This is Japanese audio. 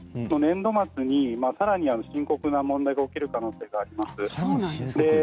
年度末に深刻な問題が起きる可能性があります。